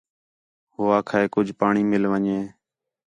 ہو آکھا ہِے کُج پاݨی مِل ون٘ڄے